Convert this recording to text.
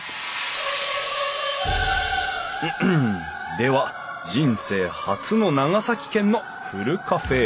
では人生初の長崎県のふるカフェへ！